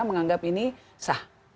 menganggap ini sah